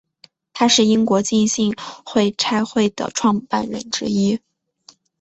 他是英国浸信会差会的创办人之一。